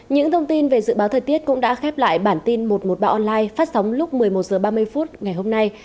những thông tin về dự báo thời tiết cũng đã khép lại bản tin một trăm một mươi ba online phát sóng lúc một mươi một h ba mươi phút ngày hôm nay